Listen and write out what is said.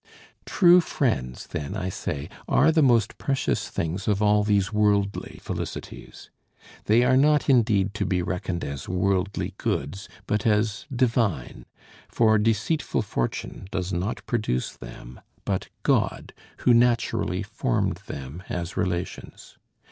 True friends, then, I say, are the most precious things of all these worldly felicities. They are not indeed to be reckoned as worldly goods, but as divine; for deceitful fortune does not produce them, but God, who naturally formed them as relations.